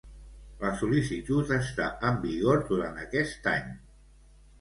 La sol·licitud està en vigor durant aquest any.